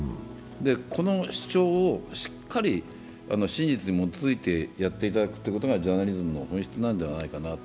この主張をしっかり真実に基づいてやっていただくことがジャーナリズムの本質なんではないかなと。